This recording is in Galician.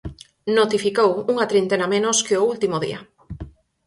Notificou unha trintena menos que o último día.